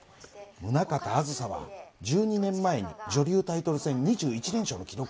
宗形あずさは１２年前に女流タイトル戦２１連勝の記録を作りました。